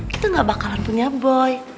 kita gak bakalan punya boy